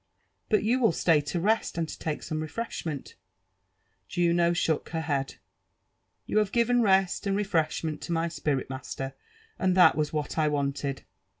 *' But you will stay to rest^ and to lake some refreshment ?" Juno shook her head. * You have giveo vest and refreshment to ray spirit, master, and that was what I wanted.